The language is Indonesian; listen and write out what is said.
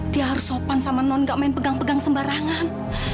dia harus sopan sama non gak main pegang pegang sembarangan